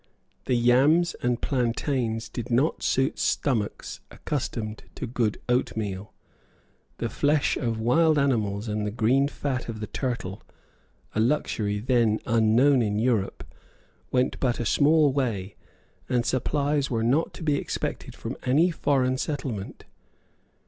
The yams and plantains did not suit stomachs accustomed to good oatmeal. The flesh of wild animals and the green fat of the turtle, a luxury then unknown in Europe, went but a small way; and supplies were not to be expected from any foreign settlement.